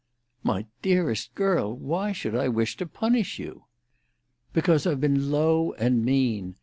"My dearest girl, why should I wish to punish you?" "Because I've been low and mean.